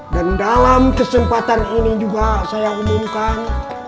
dan dalam kesempatan ini juga saya umumkan